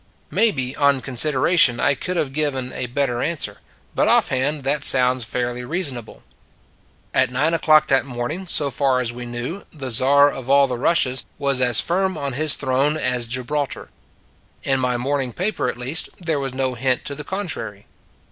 Maybe, on consideration, I could have given a better answer; but offhand that sounds fairly reasonable. At nine o clock that morning, so far as we knew, the Czar of all the Russias was as firm on his throne as Gibraltar. In my morning paper at least, there was no hint to the contrary.